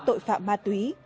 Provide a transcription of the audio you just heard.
tội phạm ma túy